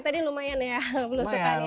tadi lumayan ya pelusukannya